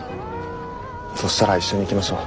そしたら一緒に行きましょう。